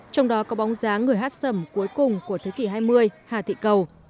trong đó có bóng dáng người hát sầm cuối cùng của thế kỷ hai mươi hà thị cầu